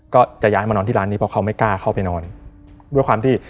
ก็จะย้ายมานอนที่ร้านนี้เพราะว่าเขาไม่กล้าเข้าไปนอน